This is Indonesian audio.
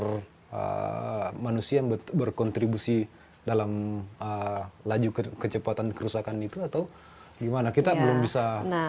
apakah manusia yang berkontribusi dalam laju kecepatan kerusakan itu atau bagaimana